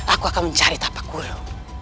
aku akan mencari tapak kulo